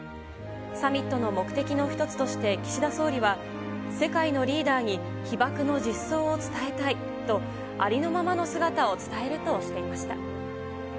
サミットの目的の一つとして岸田総理は、世界のリーダーに被爆の実相を伝えたいと、ありのままの姿を伝えるとしていました。